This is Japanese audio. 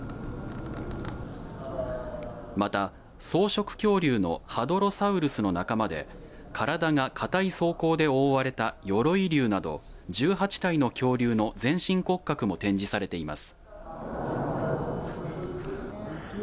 また、草食恐竜のハドロサウルスの仲間で体が硬い装甲で覆われたヨロイ竜など１８体の恐竜の全身骨格も展示されています。